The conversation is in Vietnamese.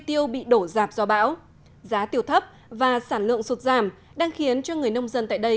tiêu bị đổ dạp do bão giá tiêu thấp và sản lượng sụt giảm đang khiến cho người nông dân tại đây